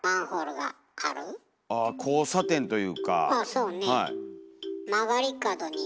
そうね。